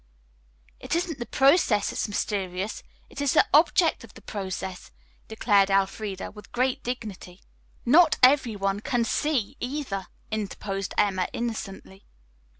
"It isn't the process that's mysterious, it is the object of the process," declared Elfreda, with great dignity. "Not everyone 'can see' either," interposed Emma innocently.